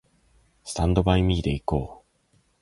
スタンドバイミーで行こう